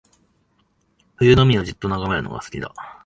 冬の海をじっと眺めるのが好きだ